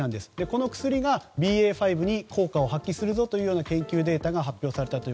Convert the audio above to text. この薬が、ＢＡ．５に効果を発揮するという研究データが発表されたと。